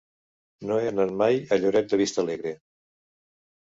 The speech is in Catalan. No he anat mai a Lloret de Vistalegre.